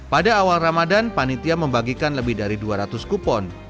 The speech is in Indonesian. pada awal ramadan panitia membagikan lebih dari dua ratus kupon